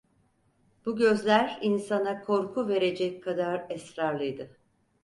Bu gözler insana korku verecek kadar esrarlıydı.